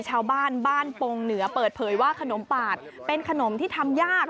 ชาวบ้านบ้านปงเหนือเปิดเผยว่าขนมปาดเป็นขนมที่ทำยาก